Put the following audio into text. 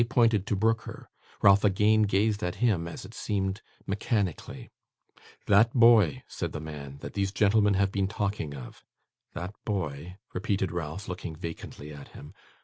They pointed to Brooker. Ralph again gazed at him: as it seemed mechanically. 'That boy,' said the man, 'that these gentlemen have been talking of ' 'That boy,' repeated Ralph, looking vacantly at him.